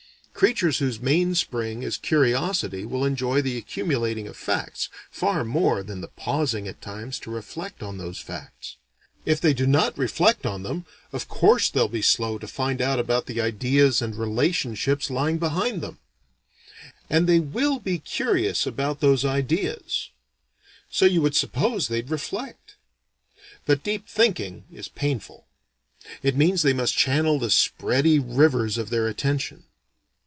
Creatures whose mainspring is curiosity will enjoy the accumulating of facts, far more than the pausing at times to reflect on those facts. If they do not reflect on them, of course they'll be slow to find out about the ideas and relationships lying behind them; and they will be curious about those ideas; so you would suppose they'd reflect. But deep thinking is painful. It means they must channel the spready rivers of their attention.